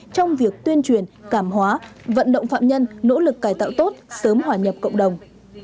trong việc tuyên truyền cảm hóa vận động phạm nhân nỗ lực cải tạo tốt sớm hòa nhập cộng đồng